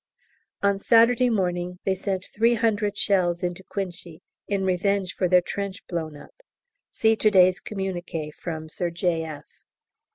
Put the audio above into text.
On Saturday morning they sent three hundred shells into Cuinchy, in revenge for their trench blown up (see to day's Communiqué from Sir J.